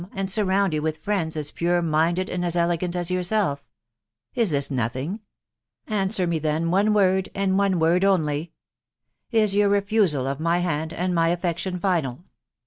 J&6&* and surround you with friends as pure minded and as elegant as yourself. Is this nothing? .... Answer me then one word, and one word only Is your refusal of my hand and my affection final